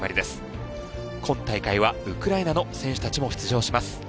今大会はウクライナの選手たちも出場します。